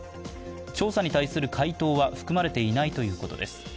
調査に対する回答は含まれていないということです。